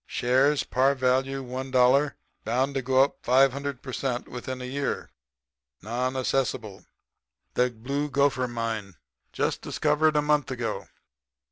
Shares par value one dollar. Bound to go up 500 per cent. within a year. Non assessable. The Blue Gopher mine. Just discovered a month ago.